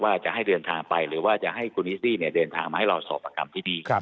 ว่าจะให้เดินทางไปหรือว่าจะให้คุณนิสซี่เดินทางมาให้เราสอบประคำที่ดี